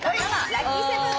ラッキーセブン！